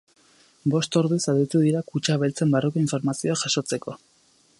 Bost orduz aritu dira kutxa beltzen barruko informazioa jasotzeko.